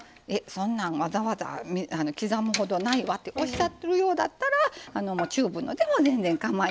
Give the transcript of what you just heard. そんなんわざわざ刻むほどないわっておっしゃるようだったらチューブのでも全然かまいません。